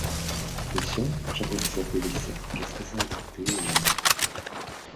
Усё, чаго не забыліся, расказалі тыя яму.